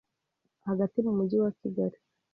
hagati mu mujyi wa Kigali.